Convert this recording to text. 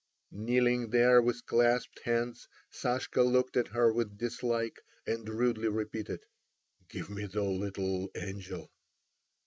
Kneeling there with clasped hands, Sashka looked at her with dislike, and rudely repeated: "Give me the little angel."